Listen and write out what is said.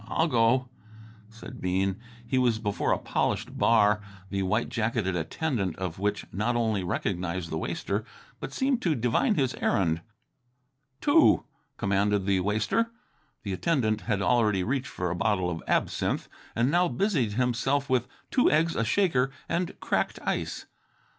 I'll go," said Bean. He was before a polished bar, the white jacketed attendant of which not only recognized the waster but seemed to divine his errand. "Two," commanded the waster. The attendant had already reached for a bottle of absinthe, and now busied himself with two eggs, a shaker, and cracked ice.